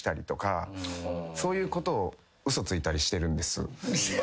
そういうことを嘘ついたりしてるんです。